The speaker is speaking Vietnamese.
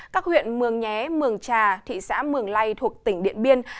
các huyện mường nhé mường trà thị xã mường lây thuộc tỉnh điện biên